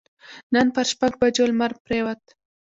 نن پر شپږ بجو لمر پرېوت.